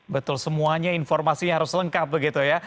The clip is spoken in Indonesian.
betul semuanya informasinya harus lengkap begitu ya